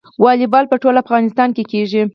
والیبال په ټول افغانستان کې کیږي.